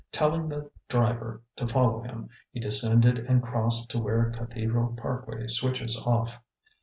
Telling the driver to follow him, he descended and crossed to where Cathedral Parkway switches off.